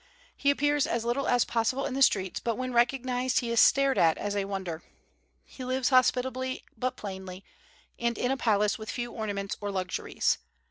He appears as little as possible in the streets, but when recognized he is stared at as a wonder. He lives hospitably but plainly, and in a palace with few ornaments or luxuries.